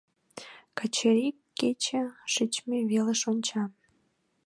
Качырий кече шичме велыш онча.